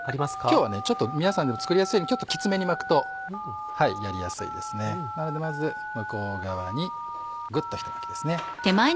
今日は皆さん作りやすいようにちょっときつめに巻くとやりやすいですねなのでまず向こう側にグッと一巻きですね。